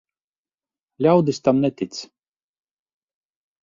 Ļaudis tam netic.